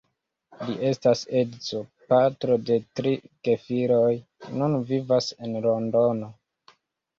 Li estas edzo, patro de tri gefiloj, nun vivas en Londono.